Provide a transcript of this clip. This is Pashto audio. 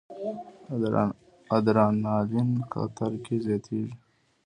ادرانالین خطر کې زیاتېږي.